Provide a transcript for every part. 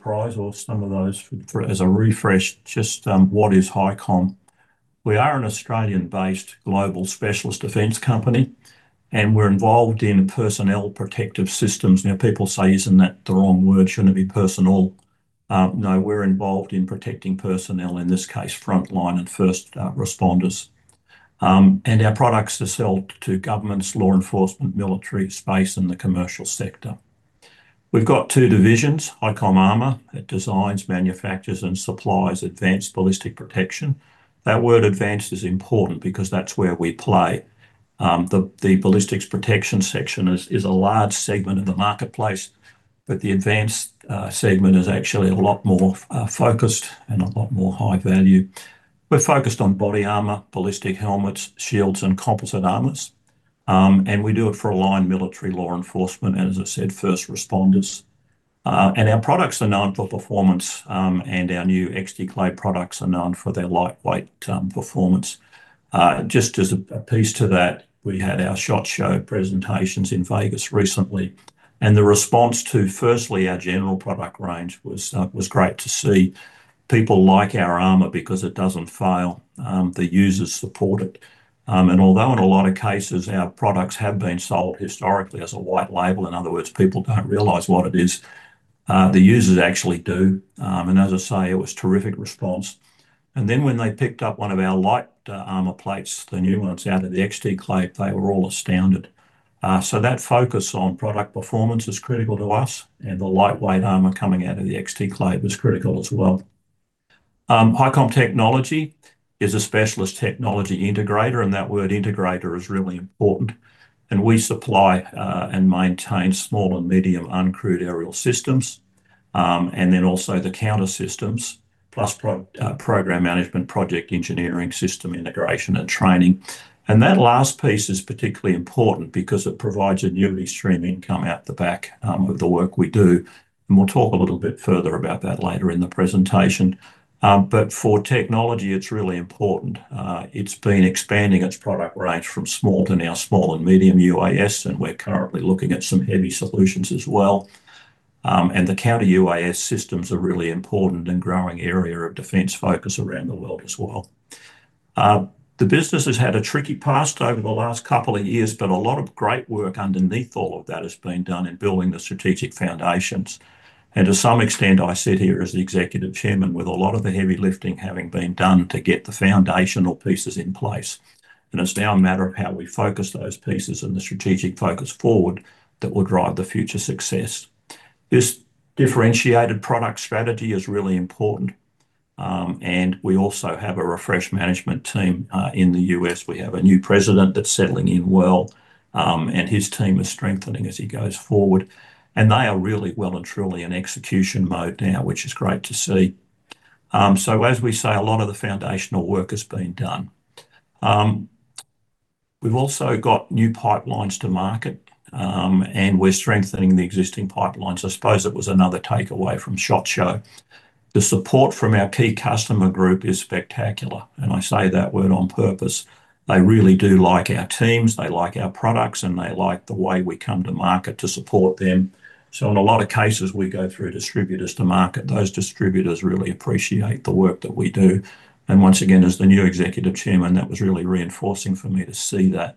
prize or some of those for, as a refresh, just, what is HighCom? We are an Australian-based global specialist defense company. We're involved in personnel protective systems. Now, people say, "Isn't that the wrong word? Shouldn't it be personal?" No, we're involved in protecting personnel, in this case, frontline and first responders. Our products are sold to governments, law enforcement, military, space, and the commercial sector. We've got two divisions. HighCom Armor. It designs, manufactures, and supplies advanced ballistic protection. That word "advanced" is important because that's where we play. The ballistics protection section is a large segment of the marketplace, but the advanced segment is actually a lot more focused and a lot more high value. We're focused on body armor, ballistic helmets, shields, and composite armors. We do it for aligned military, law enforcement, and as I said, first responders. Our products are known for performance, and our new XTclave products are known for their lightweight, performance. Just as a piece to that, we had our SHOT Show presentations in Vegas recently, and the response to firstly our general product range was great to see. People like our armor because it doesn't fail. The users support it. Although in a lot of cases our products have been sold historically as a white label, in other words, people don't realize what it is, the users actually do. As I say, it was terrific response. Then when they picked up one of our light armor plates, the new ones out of the XTclave, they were all astounded. That focus on product performance is critical to us, the lightweight armor coming out of the XTclave was critical as well. HighCom Technology is a specialist technology integrator, and that word "integrator" is really important. We supply and maintain small and medium uncrewed aerial systems, and then also the counter systems, plus program management, project engineering, system integration, and training. That last piece is particularly important because it provides annuity stream income out the back of the work we do, and we'll talk a little bit further about that later in the presentation. For technology, it's really important. It's been expanding its product range from small to now small and medium UAS, and we're currently looking at some heavy solutions as well. The counter-UAS systems are really important and growing area of defense focus around the world as well. The business has had a tricky past over the last couple of years, but a lot of great work underneath all of that has been done in building the strategic foundations. To some extent, I sit here as the Executive Chairman with a lot of the heavy lifting having been done to get the foundational pieces in place. It's now a matter of how we focus those pieces and the strategic focus forward that will drive the future success. This differentiated product strategy is really important. We also have a refreshed management team in the U.S. We have a new president that's settling in well, and his team is strengthening as he goes forward. They are really well and truly in execution mode now, which is great to see. As we say, a lot of the foundational work has been done. We've also got new pipelines to market, and we're strengthening the existing pipelines. I suppose it was another takeaway from SHOT Show. The support from our key customer group is spectacular, and I say that word on purpose. They really do like our teams, they like our products, and they like the way we come to market to support them. In a lot of cases, we go through distributors to market. Those distributors really appreciate the work that we do. Once again, as the new executive chairman, that was really reinforcing for me to see that.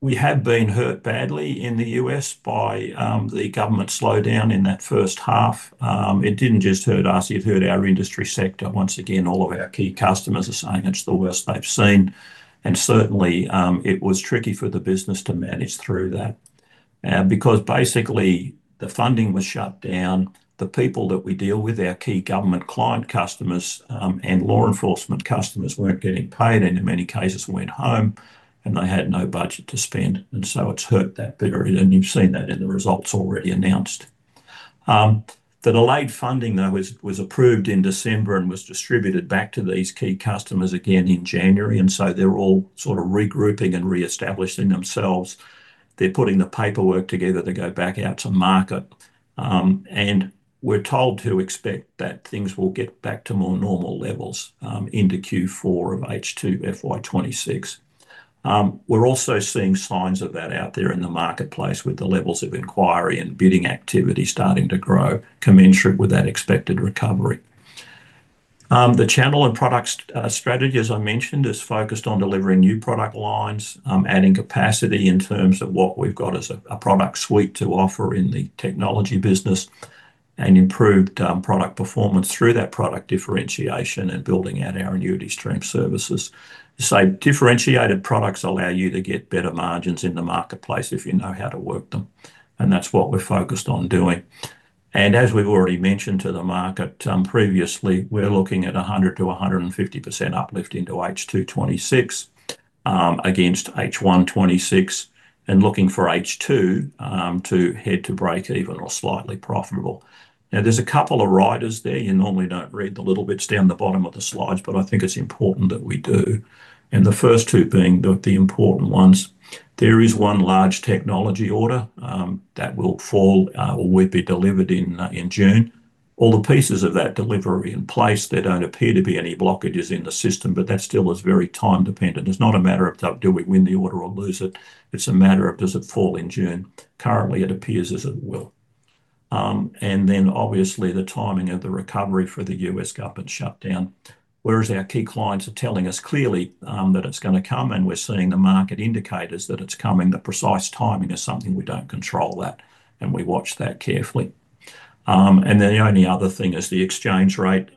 We have been hurt badly in the U.S. by the government slowdown in that first half. It didn't just hurt us, it hurt our industry sector. Once again, all of our key customers are saying it's the worst they've seen. Certainly, it was tricky for the business to manage through that. Because basically the funding was shut down, the people that we deal with, our key government client customers, and law enforcement customers weren't getting paid, and in many cases went home, and they had no budget to spend. It's hurt that bit, and you've seen that in the results already announced. The delayed funding, though, was approved in December and was distributed back to these key customers again in January. They're all sort of regrouping and reestablishing themselves. They're putting the paperwork together to go back out to market. We're told to expect that things will get back to more normal levels into Q4 of H2 FY 2026. We're also seeing signs of that out there in the marketplace with the levels of inquiry and bidding activity starting to grow commensurate with that expected recovery. The channel and product strategy, as I mentioned, is focused on delivering new product lines, adding capacity in terms of what we've got as a product suite to offer in the technology business, and improved product performance through that product differentiation and building out our annuity stream services. Differentiated products allow you to get better margins in the marketplace if you know how to work them, and that's what we're focused on doing. As we've already mentioned to the market, previously, we're looking at 100%-150% uplift into H2 FY 2026 against H1 FY 2026, and looking for H2 to head to break even or slightly profitable. Now, there's a couple of riders there. You normally don't read the little bits down the bottom of the slides, but I think it's important that we do. The first two being the important ones. There is one large technology order that will fall or will be delivered in June. All the pieces of that delivery are in place. There don't appear to be any blockages in the system, but that still is very time-dependent. It's not a matter of time do we win the order or lose it's a matter of does it fall in June. Currently, it appears as it will. Obviously, the timing of the recovery for the U.S. government shutdown, whereas our key clients are telling us clearly, that it's gonna come and we're seeing the market indicators that it's coming. The precise timing is something we don't control that, and we watch that carefully. The only other thing is the exchange rate.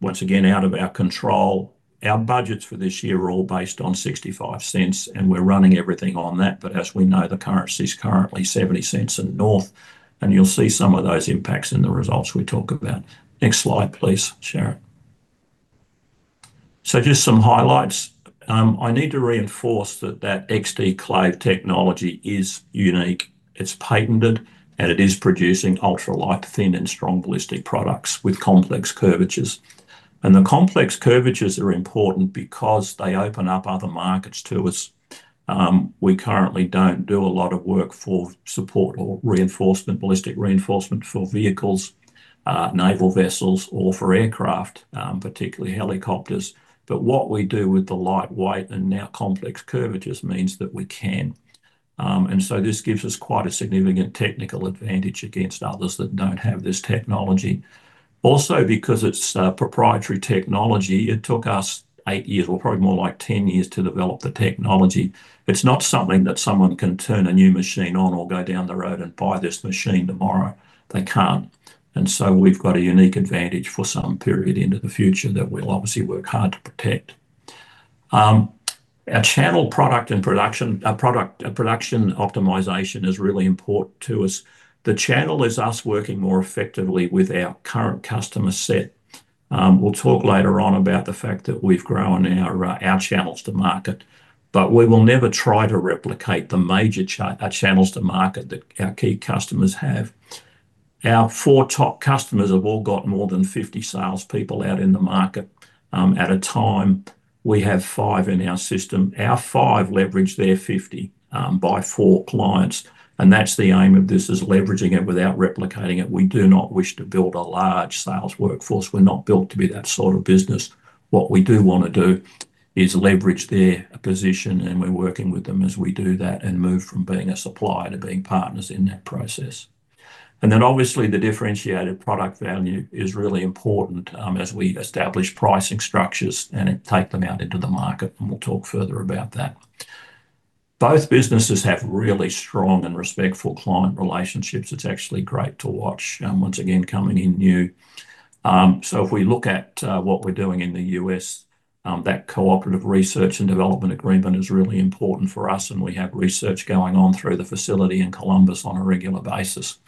Once again, out of our control. Our budgets for this year are all based on $0.65, and we're running everything on that. As we know, the currency is currently $0.70 and north, and you'll see some of those impacts in the results we talk about. Next slide, please, Sharon. Just some highlights. I need to reinforce that that XTclave technology is unique, it's patented, and it is producing ultra light, thin and strong ballistic products with complex curvatures. The complex curvatures are important because they open up other markets to us. We currently don't do a lot of work for support or reinforcement, ballistic reinforcement for vehicles, naval vessels or for aircraft, particularly helicopters. What we do with the lightweight and now complex curvatures means that we can. This gives us quite a significant technical advantage against others that don't have this technology. Also, because it's proprietary technology, it took us eight years, or probably more like 10 years to develop the technology. It's not something that someone can turn a new machine on or go down the road and buy this machine tomorrow. They can't. We've got a unique advantage for some period into the future that we'll obviously work hard to protect. Our channel product and production. Our product production optimization is really important to us. The channel is us working more effectively with our current customer set. We'll talk later on about the fact that we've grown our channels to market. We will never try to replicate the major channels to market that our key customers have. Our four top customers have all got more than 50 salespeople out in the market. At a time, we have five in our system. Our five leverage their 50 by four clients, and that's the aim of this, is leveraging it without replicating it. We do not wish to build a large sales workforce. We're not built to be that sort of business. What we do wanna do is leverage their position, and we're working with them as we do that and move from being a supplier to being partners in that process. Obviously the differentiated product value is really important, as we establish pricing structures and take them out into the market, and we'll talk further about that. Both businesses have really strong and respectful client relationships. It's actually great to watch, once again, coming in new. If we look at what we're doing in the U.S., that Cooperative Research and Development Agreement is really important for us, and we have research going on through the facility in Columbus on a regular basis.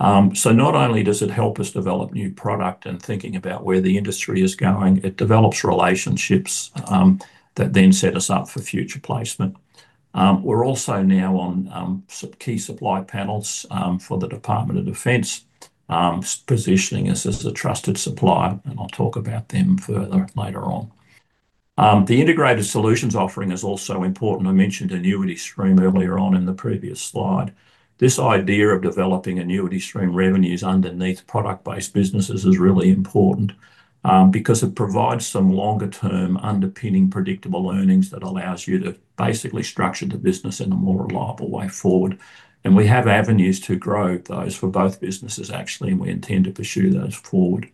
Not only does it help us develop new product and thinking about where the industry is going, it develops relationships that then set us up for future placement. We're also now on key supply panels for the Department of Defense, positioning us as a trusted supplier, and I'll talk about them further later on. The integrated solutions offering is also important. I mentioned annuity stream earlier on in the previous slide. This idea of developing annuity stream revenues underneath product-based businesses is really important because it provides some longer term underpinning predictable earnings that allows you to basically structure the business in a more reliable way forward. We have avenues to grow those for both businesses actually, and we intend to pursue those forward.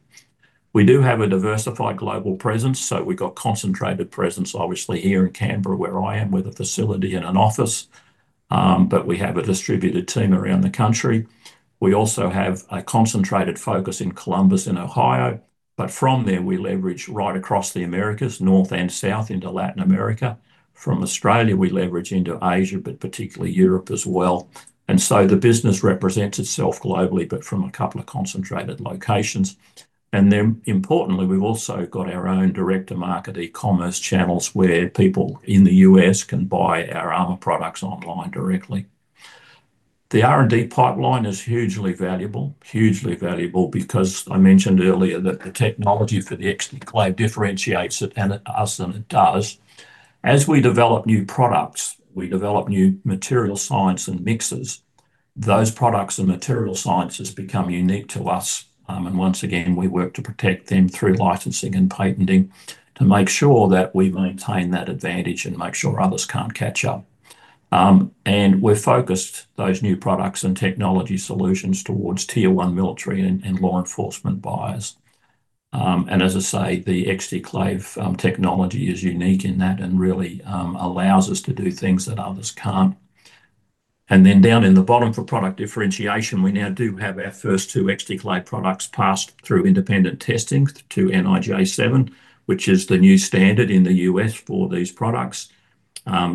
We do have a diversified global presence, so we've got concentrated presence obviously here in Canberra where I am, with a facility and an office. But we have a distributed team around the country. We also have a concentrated focus in Columbus, in Ohio. From there, we leverage right across the Americas, north and south into Latin America. From Australia, we leverage into Asia, but particularly Europe as well. The business represents itself globally, but from a couple of concentrated locations. Importantly, we've also got our own direct-to-market e-commerce channels where people in the U.S. can buy our armor products online directly. The R&D pipeline is hugely valuable. Hugely valuable because I mentioned earlier that the technology for the XTclave differentiates it, and it does. As we develop new products, we develop new material science and mixes. Those products and material sciences become unique to us. Once again, we work to protect them through licensing and patenting to make sure that we maintain that advantage and make sure others can't catch up. We're focused those new products and technology solutions towards tier one military and law enforcement buyers. As I say, the XTclave technology is unique in that and really allows us to do things that others can't. Down in the bottom for product differentiation, we now do have our first two XTclave products passed through independent testing to NIJ 7, which is the new standard in the U.S. for these products.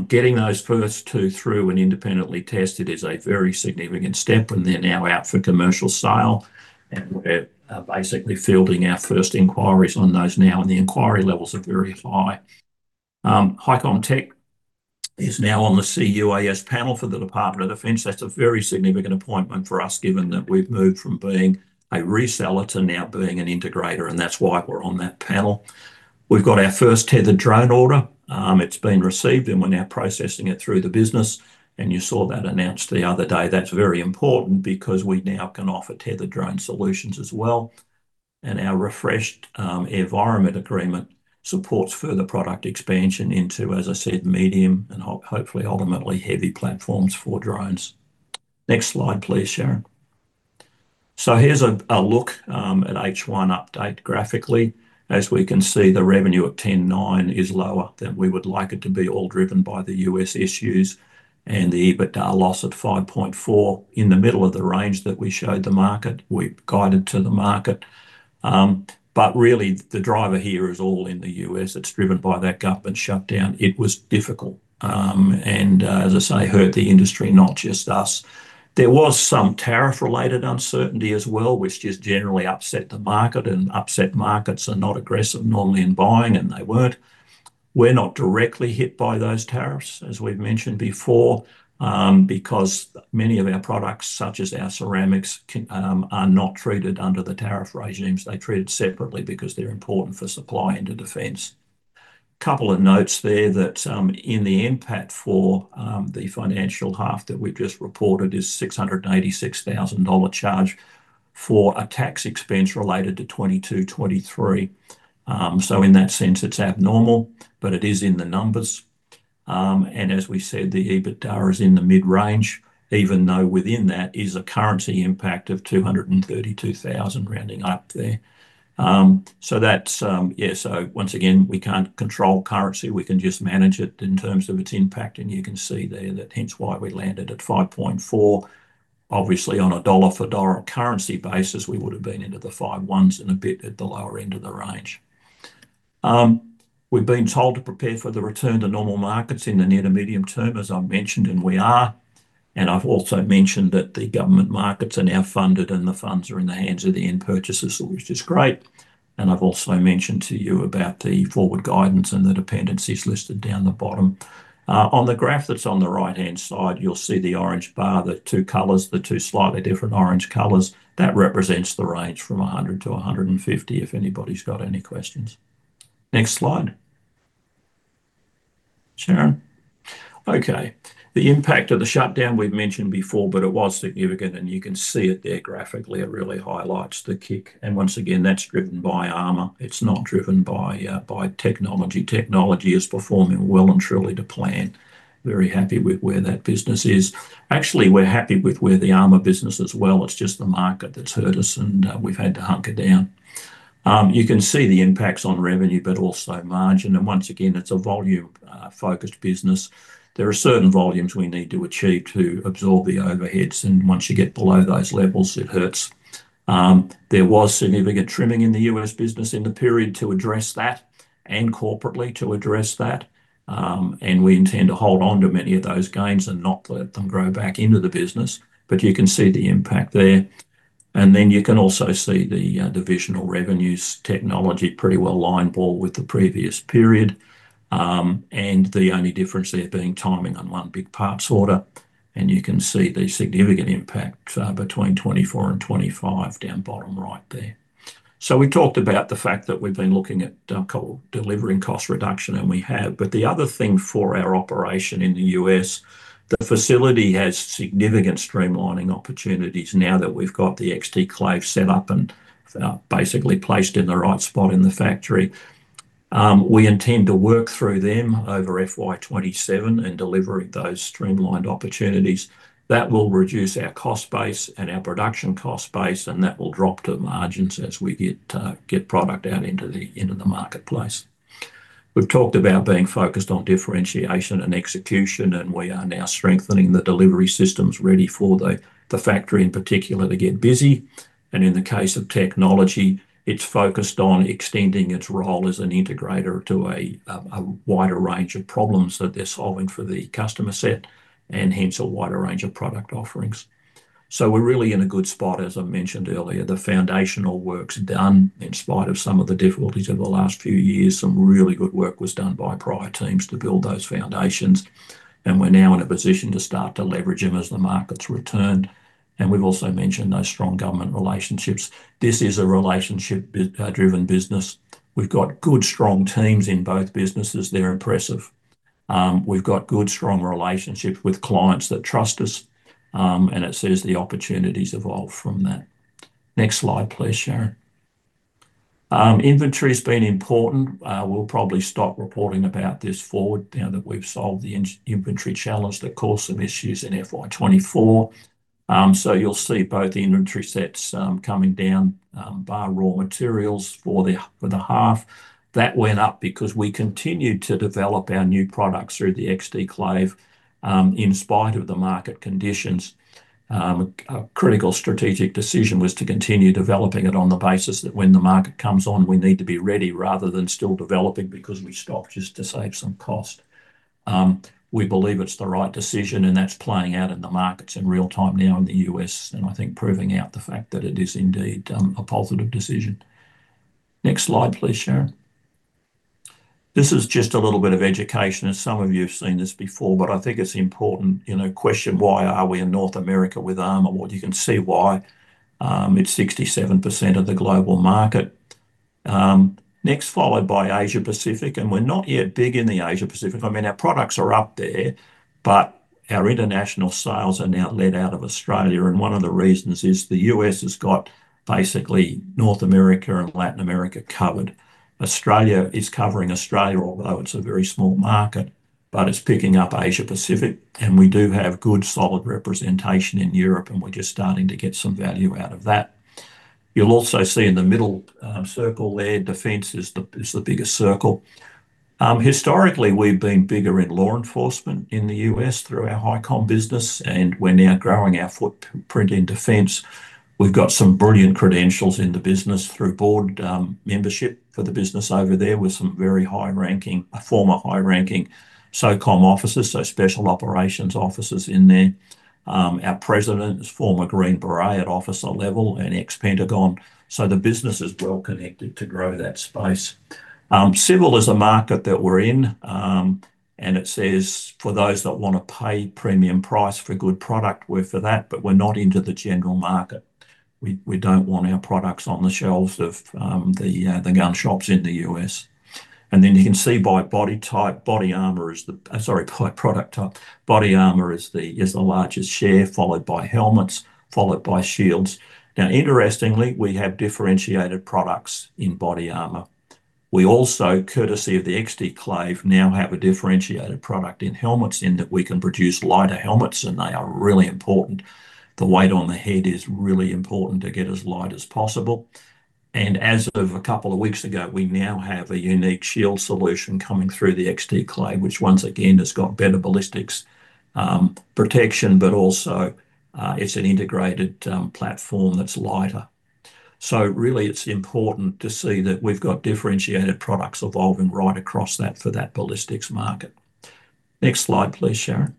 Getting those first two through and independently tested is a very significant step, and they're now out for commercial sale, and we're basically fielding our first inquiries on those now, and the inquiry levels are very high. HighCom Technology is now on the CUAS panel for the Department of Defence. That's a very significant appointment for us, given that we've moved from being a reseller to now being an integrator, and that's why we're on that panel. We've got our first tethered drone order. It's been received and we're now processing it through the business, and you saw that announced the other day. That's very important because we now can offer tethered drone solutions as well. Our refreshed AeroVironment agreement supports further product expansion into, as I said, medium and hopefully, ultimately, heavy platforms for drones. Next slide, please, Sharon. Here's a look at H1 update graphically. As we can see, the revenue at 10.9 is lower than we would like it to be, all driven by the U.S. issues and the EBITDA loss at 5.4 in the middle of the range that we showed the market, we'd guided to the market. But really the driver here is all in the U.S. It's driven by that government shutdown. It was difficult, and, as I say, hurt the industry, not just us. There was some tariff-related uncertainty as well, which just generally upset the market, and upset markets are not aggressive normally in buying, and they weren't. We're not directly hit by those tariffs, as we've mentioned before, because many of our products, such as our ceramics, can, are not treated under the tariff regimes. They're treated separately because they're important for supply into defense. Couple of notes there that, in the impact for, the financial half that we've just reported is $686,000 charge for a tax expense related to 2022, 2023. In that sense it's abnormal, but it is in the numbers. As we said, the EBITDA is in the mid-range, even though within that is a currency impact of 232,000, rounding up there. That's, once again, we can't control currency. We can just manage it in terms of its impact. You can see there that hence why we landed at 5.4. Obviously, on a dollar for dollar currency basis, we would've been into the five ones and a bit at the lower end of the range. We've been told to prepare for the return to normal markets in the near to medium term, as I've mentioned, and we are. I've also mentioned that the government markets are now funded and the funds are in the hands of the end purchasers, which is great. I've also mentioned to you about the forward guidance and the dependencies listed down the bottom. On the graph that's on the right-hand side, you'll see the orange bar, the two colors, the two slightly different orange colors. That represents the range from 100 to 150, if anybody's got any questions. Next slide, Sharon. Okay. The impact of the shutdown we've mentioned before, but it was significant and you can see it there graphically. It really highlights the kick. Once again, that's driven by armor. It's not driven by technology. Technology is performing well and truly to plan. Very happy with where that business is. Actually, we're happy with where the armor business is as well. It's just the market that's hurt us and we've had to hunker down. You can see the impacts on revenue, but also margin. Once again, it's a volume-focused business. There are certain volumes we need to achieve to absorb the overheads. Once you get below those levels, it hurts. There was significant trimming in the U.S. business in the period to address that and corporately to address that. We intend to hold on to many of those gains and not let them grow back into the business. You can see the impact there. Then you can also see the divisional revenues Technology pretty well line ball with the previous period. The only difference there being timing on one big parts order. You can see the significant impact between 2024 and 2025 down bottom right there. We talked about the fact that we've been looking at call delivering cost reduction, and we have. The other thing for our operation in the U.S., the facility has significant streamlining opportunities now that we've got the XTclave set up and basically placed in the right spot in the factory. We intend to work through them over FY 2027 in delivering those streamlined opportunities. That will reduce our cost base and our production cost base, and that will drop to margins as we get product out into the marketplace. We've talked about being focused on differentiation and execution, and we are now strengthening the delivery systems ready for the factory in particular to get busy. In the case of HighCom Technology, it's focused on extending its role as an integrator to a wider range of problems that they're solving for the customer set and hence a wider range of product offerings. We're really in a good spot, as I mentioned earlier. The foundational work's done. In spite of some of the difficulties over the last few years, some really good work was done by prior teams to build those foundations. We're now in a position to start to leverage them as the market's returned. We've also mentioned those strong government relationships. This is a relationship driven business. We've got good, strong teams in both businesses. They're impressive. We've got good, strong relationships with clients that trust us. It sees the opportunities evolve from that. Next slide, please, Sharon. Inventory's been important. We'll probably stop reporting about this forward now that we've solved the in-inventory challenge that caused some issues in FY 2024. You'll see both inventory sets coming down, bar raw materials for the half. That went up because we continued to develop our new products through the XTclave in spite of the market conditions. A critical strategic decision was to continue developing it on the basis that when the market comes on, we need to be ready rather than still developing because we stopped just to save some cost. We believe it's the right decision, and that's playing out in the markets in real time now in the U.S. and I think proving out the fact that it is indeed a positive decision. Next slide, please, Sharon. This is just a little bit of education. Some of you have seen this before, but I think it's important. You know, question, why are we in North America with armor? Well, you can see why. It's 67% of the global market. Next followed by Asia Pacific, we're not yet big in the Asia Pacific. I mean, our products are up there, our international sales are now led out of Australia. One of the reasons is the U.S. has got basically North America and Latin America covered. Australia is covering Australia, although it's a very small market, it's picking up Asia Pacific. We do have good solid representation in Europe, we're just starting to get some value out of that. You'll also see in the middle circle there, defense is the biggest circle. Historically, we've been bigger in law enforcement in the U.S. through our HighCom business, we're now growing our footprint in defense. We've got some brilliant credentials in the business through board membership for the business over there with some very former high-ranking SOCOM officers, so special operations officers in there. Our president is former Green Beret at officer level and ex-Pentagon. The business is well connected to grow that space. Civil is a market that we're in, and it says for those that wanna pay premium price for good product, we're for that, we're not into the general market. We don't want our products on the shelves of the gun shops in the U.S. You can see by body type, by product type, body armor is the largest share, followed by helmets, followed by shields. Interestingly, we have differentiated products in body armor. We also, courtesy of the XTclave, now have a differentiated product in helmets in that we can produce lighter helmets. They are really important. The weight on the head is really important to get as light as possible. As of a couple of weeks ago, we now have a unique shield solution coming through the XTclave, which once again has got better ballistics protection, but also, it's an integrated platform that's lighter. Really it's important to see that we've got differentiated products evolving right across that for that ballistics market. Next slide, please, Sharon.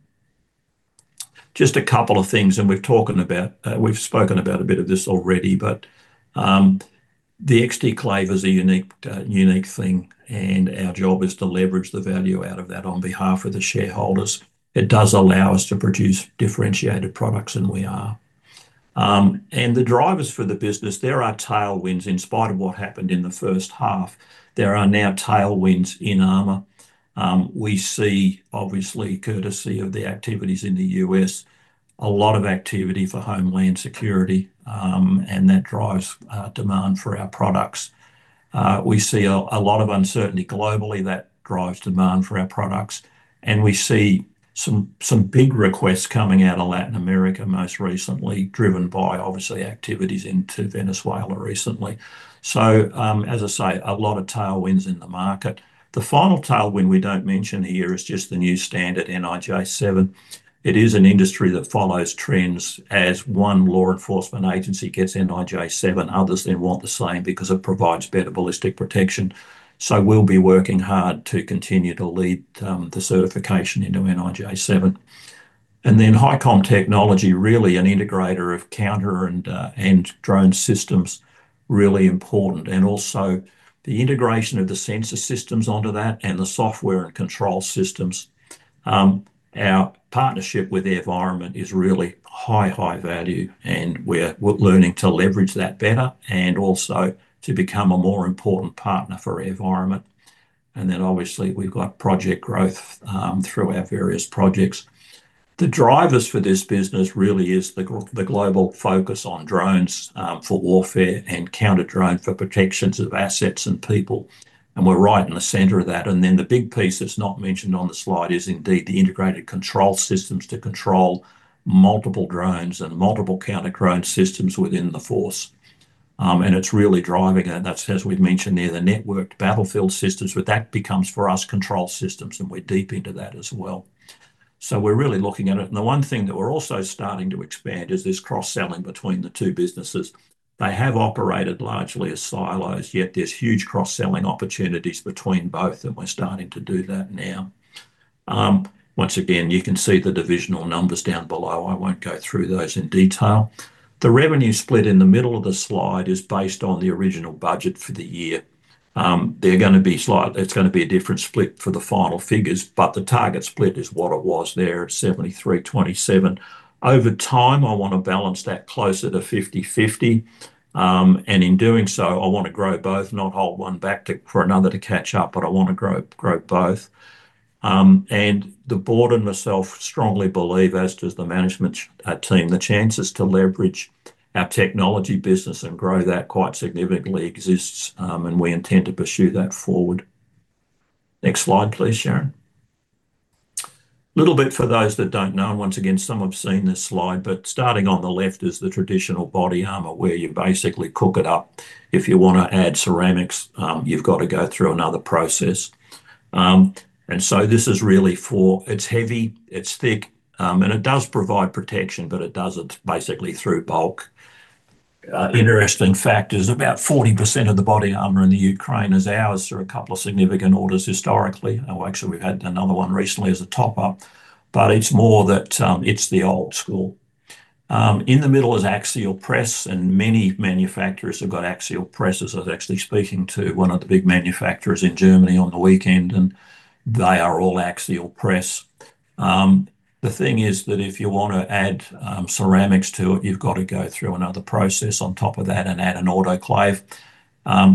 Just a couple of things, we've spoken about a bit of this already, but the XTclave is a unique unique thing, and our job is to leverage the value out of that on behalf of the shareholders. It does allow us to produce differentiated products. We are. The drivers for the business, there are tailwinds in spite of what happened in the first half. There are now tailwinds in armor. We see, obviously courtesy of the activities in the U.S., a lot of activity for Homeland Security, and that drives demand for our products. We see a lot of uncertainty globally that drives demand for our products. We see some big requests coming out of Latin America most recently, driven by obviously activities into Venezuela recently. As I say, a lot of tailwinds in the market. The final tailwind we don't mention here is just the new standard NIJ 7. It is an industry that follows trends. As one law enforcement agency gets NIJ 7, others then want the same because it provides better ballistic protection. We'll be working hard to continue to lead the certification into NIJ 7. HighCom Technology, really an integrator of counter and drone systems, really important. The integration of the sensor systems onto that and the software and control systems. Our partnership with AeroVironment is really high value, and we're learning to leverage that better and also to become a more important partner for AeroVironment. Obviously we've got project growth through our various projects. The drivers for this business really is the global focus on drones for warfare and counter-drone for protections of assets and people, and we're right in the center of that. Then the big piece that's not mentioned on the slide is indeed the integrated control systems to control multiple drones and multiple counter-drone systems within the force. It's really driving, and that's, as we've mentioned there, the networked battlefield systems, but that becomes for us control systems, and we're deep into that as well. We're really looking at it. The one thing that we're also starting to expand is this cross-selling between the two businesses. They have operated largely as silos, yet there's huge cross-selling opportunities between both, and we're starting to do that now. Once again, you can see the divisional numbers down below. I won't go through those in detail. The revenue split in the middle of the slide is based on the original budget for the year. They're gonna be a different split for the final figures, but the target split is what it was there at 73/27. Over time, I wanna balance that closer to 50/50, and in doing so, I wanna grow both, not hold one back to, for another to catch up, but I wanna grow both. The board and myself strongly believe, as does the management team, the chances to leverage our technology business and grow that quite significantly exists, and we intend to pursue that forward. Next slide, please, Sharon. Little bit for those that don't know, and once again, some have seen this slide, but starting on the left is the traditional body armor where you basically cook it up. If you wanna add ceramics, you've got to go through another process. This is really for... It's heavy, it's thick, and it does provide protection, but it does it basically through bulk. Interesting fact is about 40% of the body armor in the Ukraine is ours through a couple of significant orders historically. Actually we've had another one recently as a top-up. It's more that it's the old school. In the middle is axial-press, and many manufacturers have got axial presses. I was actually speaking to one of the big manufacturers in Germany on the weekend, and they are all axial-press. The thing is that if you wanna add ceramics to it, you've got to go through another process on top of that and add an autoclave.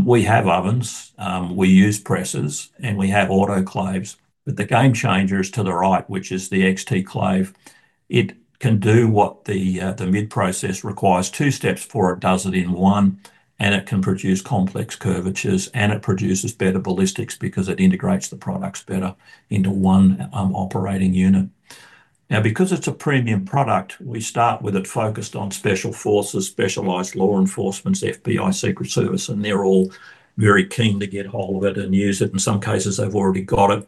We have ovens, we use presses, and we have autoclaves. The game changer is to the right, which is the XTclave. It can do what the the mid-process requires two steps before it does it in one, and it can produce complex curvatures, and it produces better ballistics because it integrates the products better into one operating unit. Because it's a premium product, we start with it focused on special forces, specialized law enforcements, FBI, Secret Service, and they're all very keen to get a hold of it and use it. In some cases, they've already got it.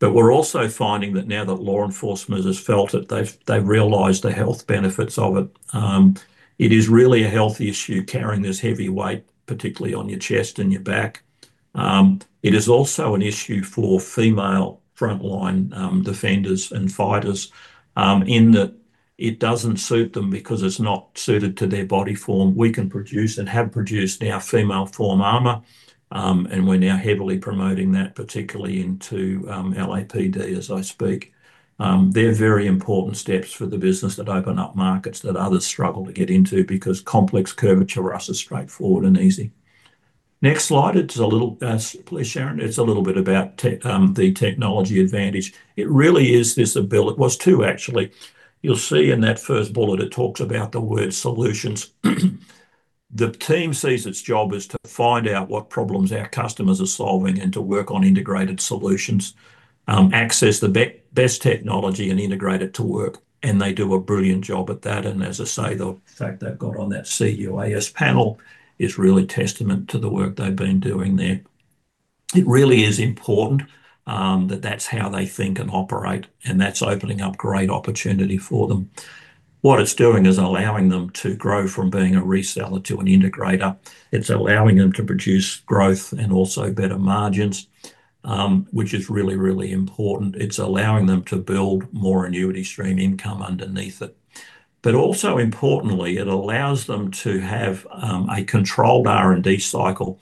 We're also finding that now that law enforcement has felt it, they've realized the health benefits of it. It is really a health issue carrying this heavy weight, particularly on your chest and your back. It is also an issue for female frontline defenders and fighters in that it doesn't suit them because it's not suited to their body form. We can produce and have produced now female form armor, and we're now heavily promoting that, particularly into LAPD as I speak. They're very important steps for the business that open up markets that others struggle to get into because complex curvature for us is straightforward and easy. Next slide. It's a little, please, Sharon. It's a little bit about the technology advantage. It really is this ability. It was two, actually. You'll see in that first bullet, it talks about the word solutions. The team sees its job is to find out what problems our customers are solving and to work on integrated solutions, access the best technology and integrate it to work. They do a brilliant job at that. As I say, the fact they've got on that CUAS panel is really testament to the work they've been doing there. It really is important that that's how they think and operate. That's opening up great opportunity for them. What it's doing is allowing them to grow from being a reseller to an integrator. It's allowing them to produce growth and also better margins, which is really, really important. It's allowing them to build more annuity stream income underneath it. Also importantly, it allows them to have a controlled R&D cycle.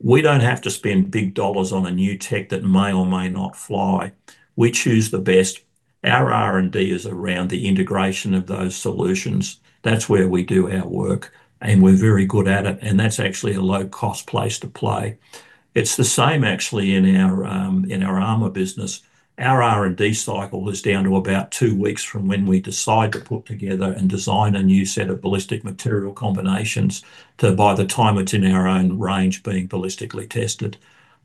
We don't have to spend big dollars on a new tech that may or may not fly. We choose the best. Our R&D is around the integration of those solutions. That's where we do our work, and we're very good at it, and that's actually a low-cost place to play. It's the same actually in our in our armor business. Our R&D cycle is down to about two weeks from when we decide to put together and design a new set of ballistic material combinations to by the time it's in our own range being ballistically tested.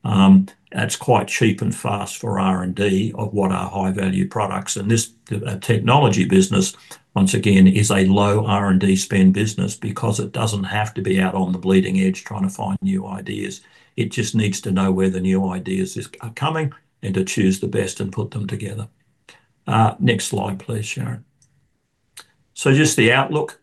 That's quite cheap and fast for R&D of what are high-value products. This technology business, once again, is a low R&D spend business because it doesn't have to be out on the bleeding edge trying to find new ideas. It just needs to know where the new ideas are coming and to choose the best and put them together. Next slide, please, Sharon. Just the outlook.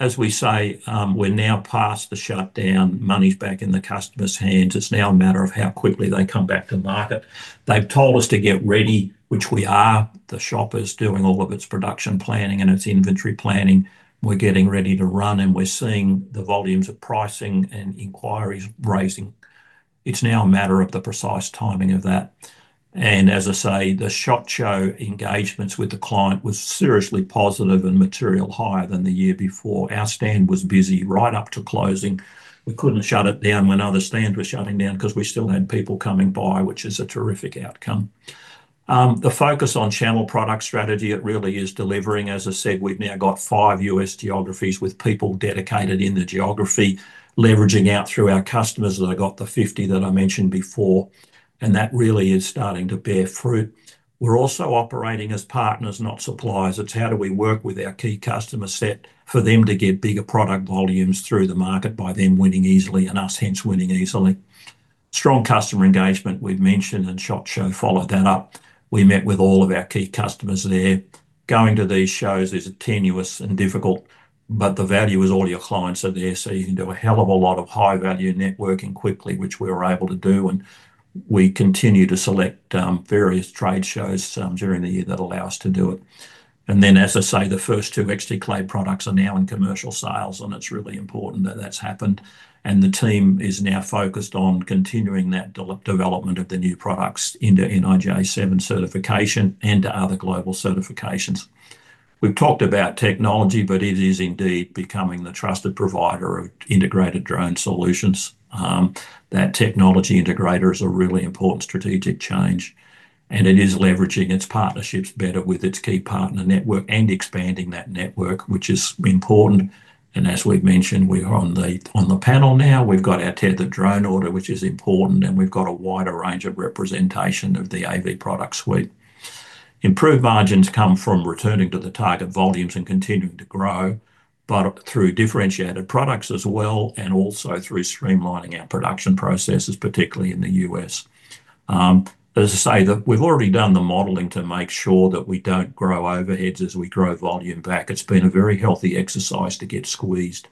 As we say, we're now past the shutdown. Money's back in the customer's hands. It's now a matter of how quickly they come back to market. They've told us to get ready, which we are. The shop is doing all of its production planning and its inventory planning. We're getting ready to run, and we're seeing the volumes of pricing and inquiries rising. It's now a matter of the precise timing of that. As I say, the Shot Show engagements with the client was seriously positive and material higher than the year before. Our stand was busy right up to closing. We couldn't shut it down when other stands were shutting down 'cause we still had people coming by, which is a terrific outcome. The focus on channel product strategy, it really is delivering. As I said, we've now got five US geographies with people dedicated in the geography, leveraging out through our customers. They got the 50 that I mentioned before. That really is starting to bear fruit. We're also operating as partners, not suppliers. It's how do we work with our key customer set for them to get bigger product volumes through the market by them winning easily and us hence winning easily. Strong customer engagement we've mentioned. SHOT Show followed that up. We met with all of our key customers there. Going to these shows is tenuous and difficult, but the value is all your clients are there, so you can do a hell of a lot of high-value networking quickly, which we were able to do, and we continue to select various trade shows during the year that allow us to do it. Then, as I say, the first two XTclave products are now in commercial sales, and it's really important that that's happened. The team is now focused on continuing that development of the new products into NIJ 7 certification and to other global certifications. We've talked about technology, but it is indeed becoming the trusted provider of integrated drone solutions. That technology integrator is a really important strategic change, and it is leveraging its partnerships better with its key partner network and expanding that network, which is important. As we've mentioned, we are on the panel now. We've got our tethered drone order, which is important, and we've got a wider range of representation of the AV product suite. Improved margins come from returning to the target volumes and continuing to grow, but through differentiated products as well, and also through streamlining our production processes, particularly in the US. As I say, we've already done the modeling to make sure that we don't grow overheads as we grow volume back. It's been a very healthy exercise to get squeezed.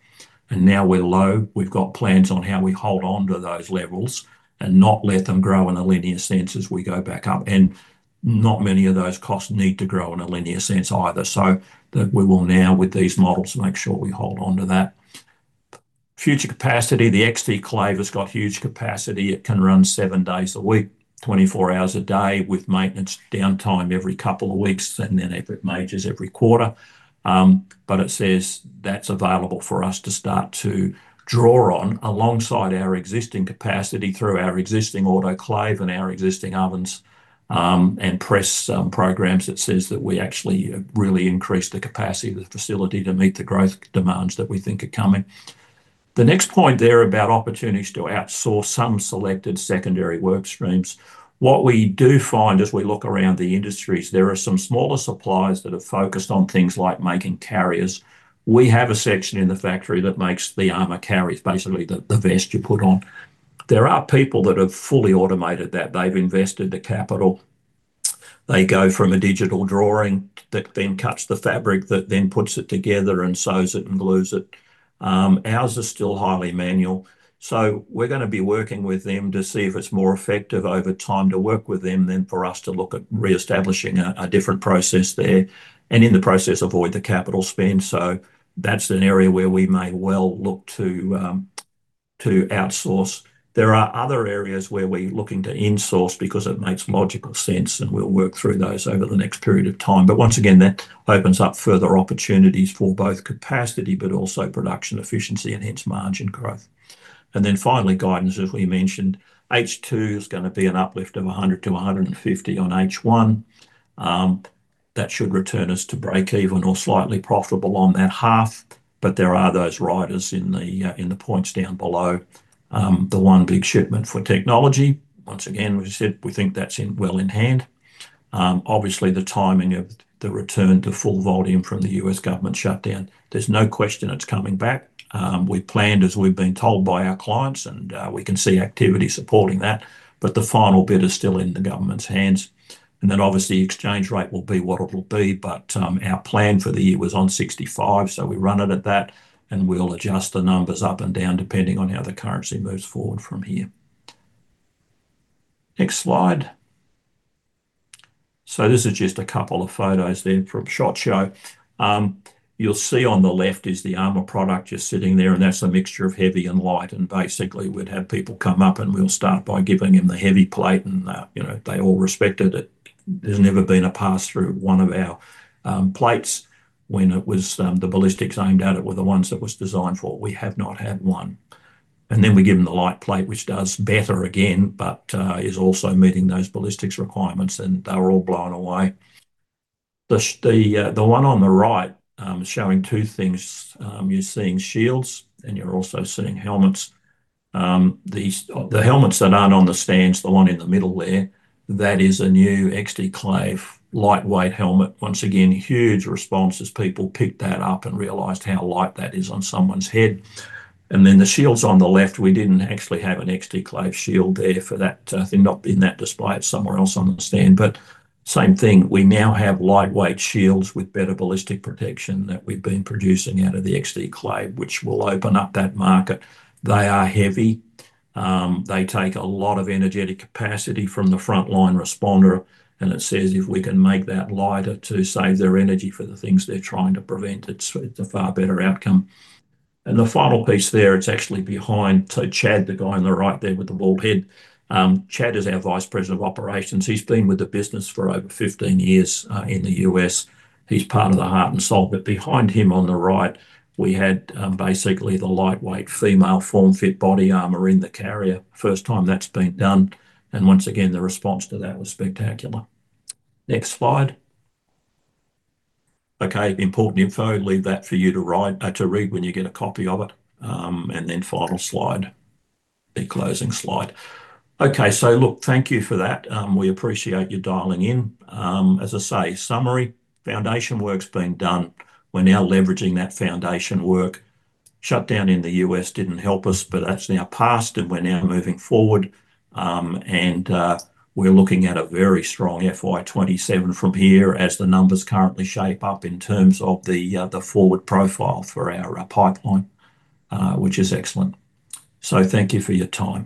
Now we're low, we've got plans on how we hold on to those levels and not let them grow in a linear sense as we go back up. Not many of those costs need to grow in a linear sense either, so we will now, with these models, make sure we hold on to that. Future capacity, the XTclave has got huge capacity. It can run seven days a week, 24 hours a day with maintenance downtime every couple of weeks, and then if it majors every quarter. It says that's available for us to start to draw on alongside our existing capacity through our existing autoclave and our existing ovens and press programs. It says that we actually have really increased the capacity of the facility to meet the growth demands that we think are coming. The next point there about opportunities to outsource some selected secondary work streams. What we do find as we look around the industry is there are some smaller suppliers that are focused on things like making carriers. We have a section in the factory that makes the armor carriers, basically the vest you put on. There are people that have fully automated that. They've invested the capital. They go from a digital drawing that then cuts the fabric, that then puts it together and sews it and glues it. Ours are still highly manual. We're gonna be working with them to see if it's more effective over time to work with them than for us to look at reestablishing a different process there, and in the process, avoid the capital spend. That's an area where we may well look to outsource. There are other areas where we're looking to insource because it makes logical sense, and we'll work through those over the next period of time. Once again, that opens up further opportunities for both capacity, but also production efficiency and hence margin growth. Finally, guidance, as we mentioned. H2 is gonna be an uplift of 100-150 on H1. That should return us to break even or slightly profitable on that half. There are those riders in the points down below. The one big shipment for technology, once again, we've said we think that's well in hand. Obviously the timing of the return to full volume from the U.S. government shutdown, there's no question it's coming back. We've planned as we've been told by our clients, and we can see activity supporting that, but the final bit is still in the government's hands. Then obviously exchange rate will be what it'll be, but our plan for the year was on $0.65, so we run it at that, and we'll adjust the numbers up and down depending on how the currency moves forward from here. Next slide. This is just a couple of photos there from SHOT Show. You'll see on the left is the armor product just sitting there, and that's a mixture of heavy and light. Basically, we'd have people come up, and we'll start by giving them the heavy plate and, you know, they all respected it. There's never been a pass through one of our plates when it was the ballistics aimed at it were the ones it was designed for. We have not had one. Then we give them the light plate, which does better again, but is also meeting those ballistics requirements, and they were all blown away. The one on the right, showing two things. You're seeing shields, and you're also seeing helmets. The helmets that aren't on the stands, the one in the middle there, that is a new XTclave lightweight helmet. Once again, huge response as people picked that up and realized how light that is on someone's head. Then the shields on the left, we didn't actually have an XTclave shield there for that thing, not in that display. It's somewhere else on the stand. Same thing, we now have lightweight shields with better ballistic protection that we've been producing out of the XTclave, which will open up that market. They are heavy. They take a lot of energetic capacity from the frontline responder, it says if we can make that lighter to save their energy for the things they're trying to prevent, it's a far better outcome. The final piece there, it's actually behind. Chad, the guy on the right there with the bald head, Chad is our Vice President of Operations. He's been with the business for over 15 years in the U.S. He's part of the heart and soul. Behind him on the right, we had basically the lightweight female form-fit body armor in the carrier. First time that's been done. Once again, the response to that was spectacular. Next slide. Okay, important info. Leave that for you to read when you get a copy of it. Then final slide. The closing slide. Okay. Look, thank you for that. We appreciate you dialing in. As I say, summary, foundation work's been done. We're now leveraging that foundation work. Shutdown in the U.S. didn't help us, but that's now passed, and we're now moving forward. We're looking at a very strong FY 2027 from here as the numbers currently shape up in terms of the forward profile for our pipeline, which is excellent. Thank you for your time.